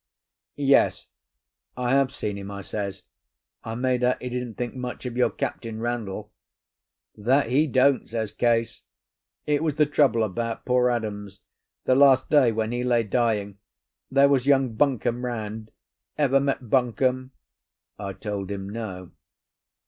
"Yes, I have seen him," I says. "I made out he didn't think much of your Captain Randall." "That he don't!" says Case. "It was the trouble about poor Adams. The last day, when he lay dying, there was young Buncombe round. Ever met Buncombe?" I told him no.